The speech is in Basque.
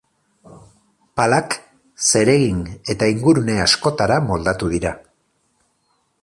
Palak zeregin eta ingurune askotara moldatu dira.